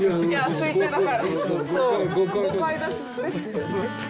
水中だから。